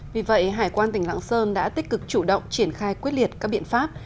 vì vậy hải quan tỉnh lạng sơn đã tích cực chủ động triển khai quyết liệt các biện pháp